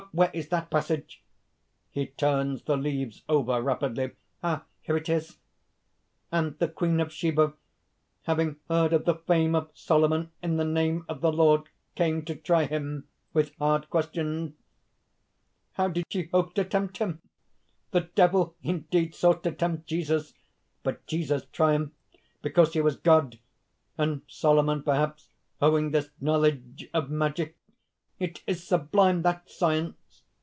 Where is that passage?" (He turns the leaves over rapidly.) "Ah! here it is:" _'And the Queen of Saba, having heard of the fame of Solomon in the name of the Lord, came to try him with hard questions.'_ "How did she hope to tempt him? The Devil indeed sought to tempt Jesus! But Jesus triumphed because he was God; and Solomon, perhaps, owing this knowledge of magic! It is sublime that science!